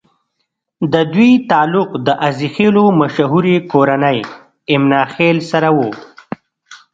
ددوي تعلق د عزيخېلو مشهورې کورنۍ اِمنه خېل سره وو